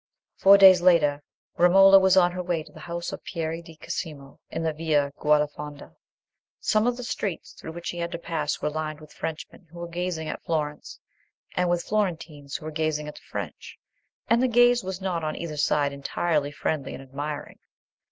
Four days later, Romola was on her way to the house of Piero di Cosimo, in the Via Gualfonda. Some of the streets through which she had to pass were lined with Frenchmen who were gazing at Florence, and with Florentines who were gazing at the French, and the gaze was not on either side entirely friendly and admiring.